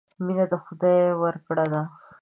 مینه د خدای ورکړه ده.